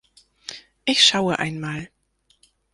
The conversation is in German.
Ich schaue einmal.